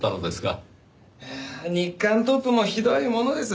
日刊トップもひどいものです。